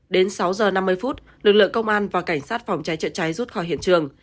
đến sáu giờ năm mươi phút lực lượng công an và cảnh sát phòng cháy chữa cháy rút khỏi hiện trường